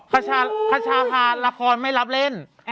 คชาพาละครไม่รับเล่น